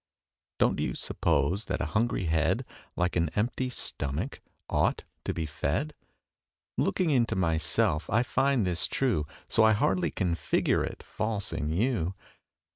Don't you suppose that a hungry head, Like an empty stomach, ought to be fed? Looking into myself, I find this true, So I hardly can figure it false in you.